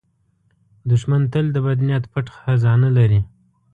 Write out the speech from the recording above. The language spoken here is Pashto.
دښمن تل د بد نیت پټ خزانه لري